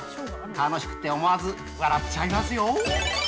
楽しくって、思わず笑っちゃいますよ。